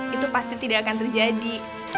itu pasti tidak akan terjadi